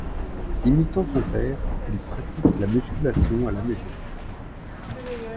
Imitant son père, il pratique la musculation à la maison.